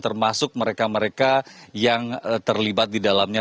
termasuk mereka mereka yang terlibat di dalamnya